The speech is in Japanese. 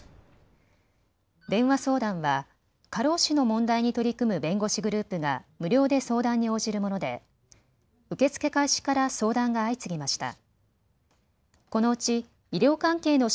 電話相談は過労死過労死の問題に取り組む弁護士グループが無料で相談に応じるもので受け付け開始から相談が相次ぎました。